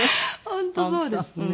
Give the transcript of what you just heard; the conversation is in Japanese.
本当そうですね。